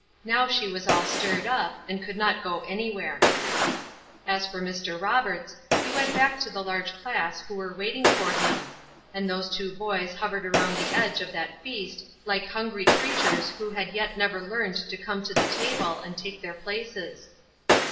Now she was all stirred up, and could not go anywhere. As for Mr. Roberts, he went back to the large class who were waiting for him. And those two boys hovered around the edge of that feast like hungry creatures who yet had never learned to come to the table and take their places.